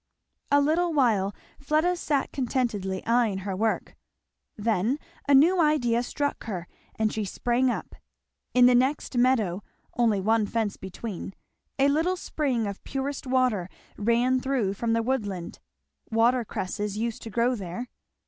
A little while Fleda sat contentedly eying her work; then a new idea struck her and she sprang up. In the next meadow, only one fence between, a little spring of purest water ran through from the woodland; water cresses used to grow there.